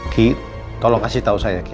ki tolong kasih tahu saya